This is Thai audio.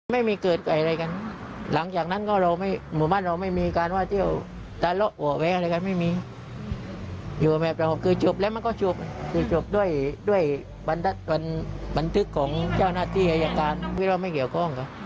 ไม่เกี่ยวกันกัน